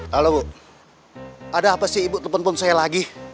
halo bu ada apa sih ibu telepon pun saya lagi